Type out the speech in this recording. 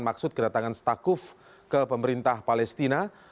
maksud kedatangan stakuf ke pemerintah palestina